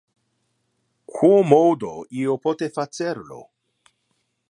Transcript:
Quomodo io pote facer lo?